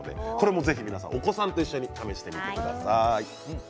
ぜひお子さんと一緒に試してください。